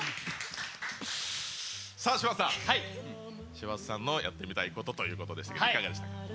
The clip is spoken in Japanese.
柴田さんのやりたいことということでしたが、いかがでしたか？